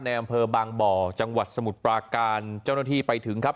อำเภอบางบ่อจังหวัดสมุทรปราการเจ้าหน้าที่ไปถึงครับ